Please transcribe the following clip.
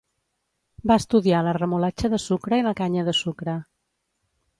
Va estudiar la remolatxa de sucre i la canya de sucre.